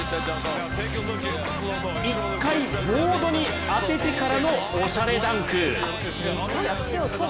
一回、ボードに当ててからのおしゃれダンク。